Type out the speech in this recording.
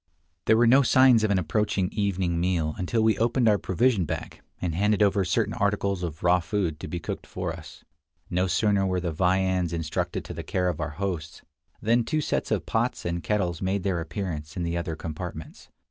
There were no signs of an approaching evening meal until we 56 Across Asia on a Bicycle opened our provision bag, and handed over certain articles of raw food to be cooked for us. No sooner were the viands intrusted to the care of our hosts, than two sets of pots and kettles made their appearance in the other compartments.